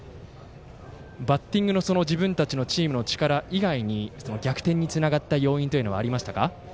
バッティングの自分たちのチームの力以外に逆転につながった要因はありましたか。